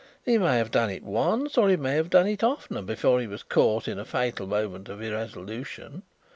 He may have done it once or he may have done it oftener before he was caught in a fatal moment of irresolution.